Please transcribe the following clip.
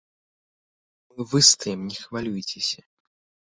Мы выстаім, не хвалюйцеся.